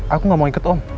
aku gak mau ikut om